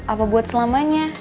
apa buat selamanya